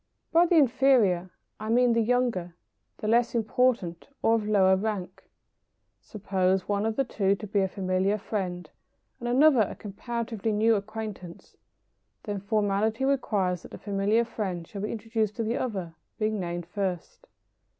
By the inferior I mean the younger, the less important, or of lower rank. Suppose one of the two to be a familiar friend, and another a comparatively new acquaintance, then formality requires that the familiar friend shall be introduced to the other, being named first.